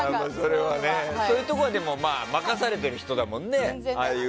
そういうところが任されてる人だもんね。